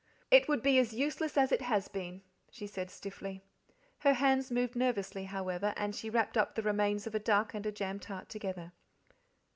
"It would be as useless as it has been," she said stiffly. Her hands moved nervously, however, and she wrapped up the remains of a duck and a jam tart together.